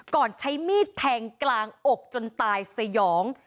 ใช้มีดแทงกลางอกจนตายสยอง